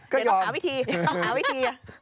เดี๋ยวต้องหาวิธีต้องหาวิธี